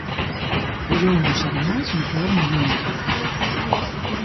Pillounos ademais no peor momento.